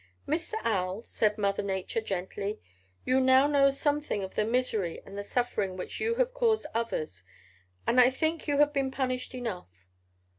"'Mr. Owl,' said old Mother Nature gently, 'you now know something of the misery and the suffering which you have caused others, and I think you have been punished enough.